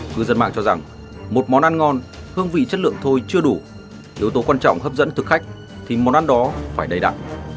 cư dân mạng cho rằng một món ăn ngon hương vị chất lượng thôi chưa đủ yếu tố quan trọng hấp dẫn thực khách thì món ăn đó phải đầy đặn